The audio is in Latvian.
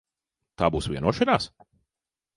Tā būs vienošanās?